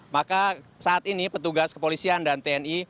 maka saat ini petugas kepolisian dan tni